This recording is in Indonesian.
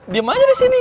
diam aja di sini